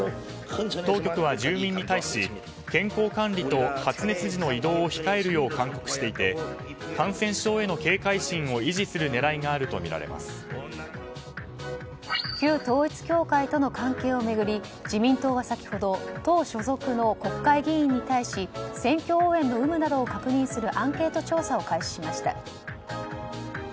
当局は住民に対し健康管理と発熱時の移動を控えるよう勧告していて感染症への警戒心を旧統一教会との関係を巡り自民党は先ほど党所属の国会議員に対し選挙応援の有無などを行うアンケート調査を開始しました。